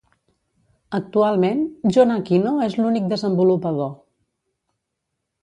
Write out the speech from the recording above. Actualment, Jon Aquino és l'únic desenvolupador.